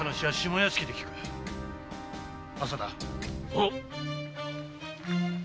はっ！